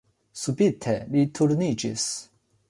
Subite li turniĝis.